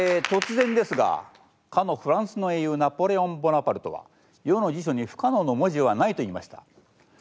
突然ですがかのフランスの英雄ナポレオン・ボナパルトは「余の辞書に不可能の文字はない」と言いました。